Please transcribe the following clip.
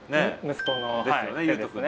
息子の。ですよね。